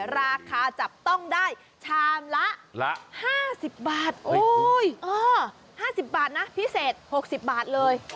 ราคาจับต้องได้ชามละ๕๐บาท๕๐บาทนะพิเศษ๖๐บาทเลย